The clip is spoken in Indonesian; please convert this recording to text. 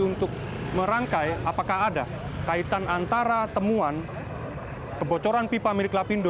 untuk merangkai apakah ada kaitan antara temuan kebocoran pipa milik lapindo